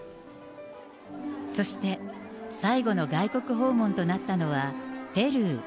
そして最後の外国訪問となったのは、ペルー。